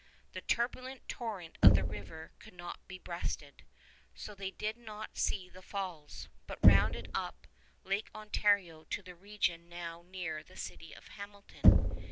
The turbulent torrent of the river could not be breasted, so they did not see the falls, but rounded on up Lake Ontario to the region now near the city of Hamilton.